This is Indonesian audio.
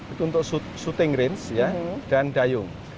itu untuk syuting range dan dayung